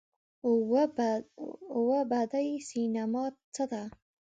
اووه بعدی سینما څه ده؟